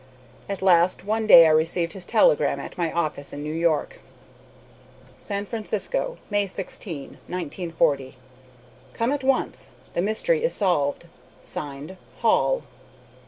At last one day I received this telegram at my office in New York: "SAN FRANCISCO, May 16, 1940. "Come at once. The mystery is solved. "(Signed) HALL."